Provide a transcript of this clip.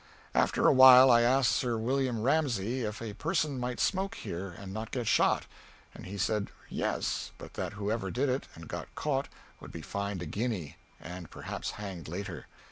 After a while I asked Sir William Ramsay if a person might smoke here and not get shot. He said, "Yes," but that whoever did it and got caught would be fined a guinea, and perhaps hanged later.